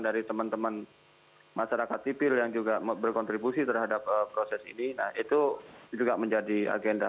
dari teman teman masyarakat sipil yang juga berkontribusi terhadap proses ini nah itu juga menjadi agenda